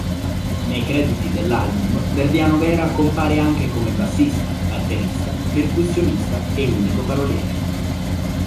Nei crediti dell'Album Verdiano Vera compare anche come bassista, batterista, percussionista e unico paroliere.